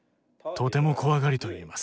とても怖がりと言えます。